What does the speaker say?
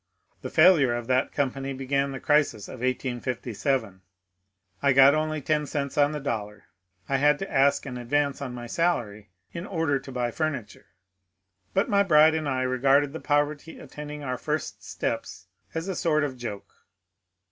The failure of that company began the *^ crisis " of 1857. I got only ten cents on the dollar. I had to ask an advance on my salary in order to buy furniture.^ But my bride and I regarded the poverty attending our first steps as a sort of joke.